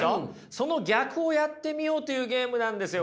その逆をやってみようというゲームなんですよ